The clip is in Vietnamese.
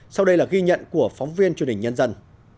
sau đây là ghi nhận của phóng viên truyền hình nhân dân